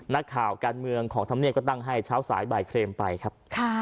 นักข่าวการเมืองของธรรมเนียบก็ตั้งให้เช้าสายบ่ายเครมไปครับ